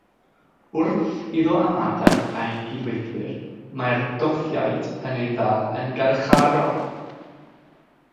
Wrth iddo ymadael â'i gydweithwyr, mae'r Gothiaid yn ei ddal yn garcharor.